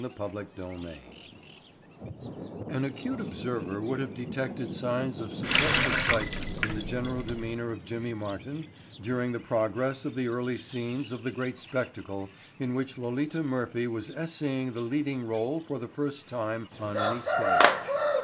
Chapter Three An acute observer would have detected signs of suppressed excitement in the general demeanor of Jimmy Martin during the progress of the early scenes of the great spectacle in which Lolita Murphy was essaying the leading role for the first time on any stage.